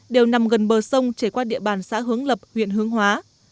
đều nằm gần bờ sông chảy qua địa bàn xã hướng lập huyện hướng hóa